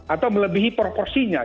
atau melebihi proporsinya